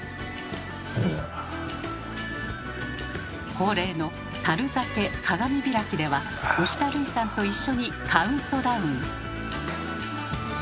恒例の樽酒鏡開きでは吉田類さんと一緒にカウントダウン！